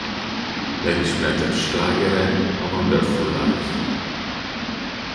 Legismertebb slágere a Wonderful Life.